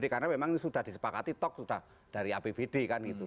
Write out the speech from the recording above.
karena memang sudah disepakati toks sudah dari apbd kan